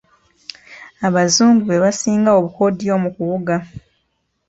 Abazungu be basinga obukodyo mu kuwuga.